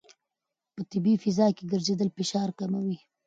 په طبیعي فضا کې ګرځېدل فشار کموي.